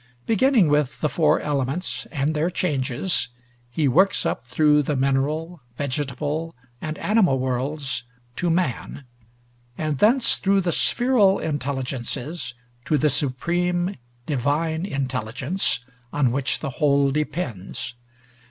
Beginning with the "four elements" and their changes, he works up through the mineral, vegetable, and animal worlds, to man, and thence through the spheral intelligences to the supreme, divine intelligence, on which the Whole depends.